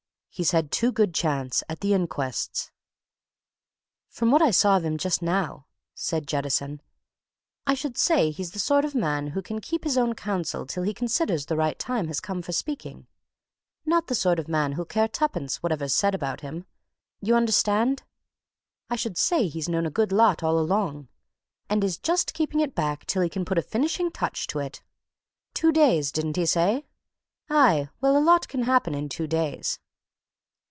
"He's had two good chances at the inquests." "From what I saw of him, just now," said Jettison, "I should say he's the sort of man who can keep his own counsel till he considers the right time has come for speaking. Not the sort of man who'll care twopence whatever's said about him, you understand? I should say he's known a good lot all along, and is just keeping it back till he can put a finishing touch to it. Two days, didn't he say? Aye, well, a lot can happen in two days!"